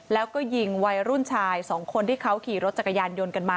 แล้วก็ยิงวัยรุ่นชายสองคนที่เขาขี่รถจักรยานยนต์กันมา